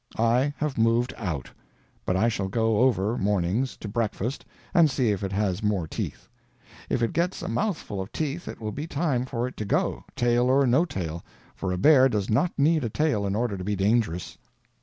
I have moved out. But I shall go over, mornings, to breakfast, and see if it has more teeth. If it gets a mouthful of teeth it will be time for it to go, tail or no tail, for a bear does not need a tail in order to be dangerous.